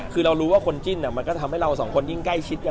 คือเรารู้ว่าคนจิ้นมันก็จะทำให้เราสองคนยิ่งใกล้ชิดกัน